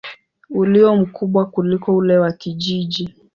ulio mkubwa kuliko ule wa kijiji.